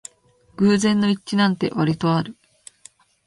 偶然の一致なんてわりとある